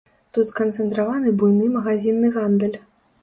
Тут сканцэнтраваны буйны магазінны гандаль.